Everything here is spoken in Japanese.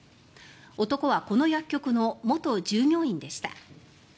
男はこの薬局の元従業員でした。